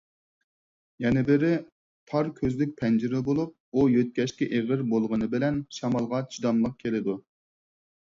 يەنە بىرى، تار كۆزلۈك پەنجىرە بولۇپ، ئۇ يۆتكەشكە ئېغىر بولغىنى بىلەن شامالغا چىداملىق كېلىدۇ.